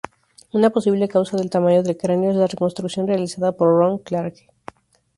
Una posible causa del tamaño del cráneo es la reconstrucción realizada por Ron Clarke.